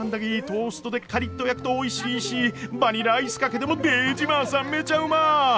トーストでカリッと焼くとおいしいしバニラアイスかけてもデージマーサンめちゃうま。